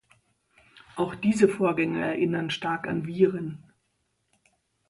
Auch diese Vorgänge erinnern stark an Viren.